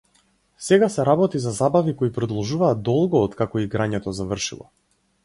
Сега се работи за забави кои продолжуваат долго откако играњето завршило.